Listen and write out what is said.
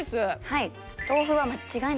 はい。